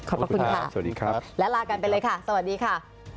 ขอบคุณค่ะและลากันไปเลยค่ะสวัสดีค่ะ